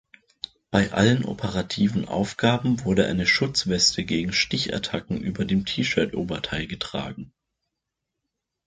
Bei allen operativen Aufgaben wurde eine Schutzweste gegen Stichattacken über dem T-Shirt-Oberteil getragen.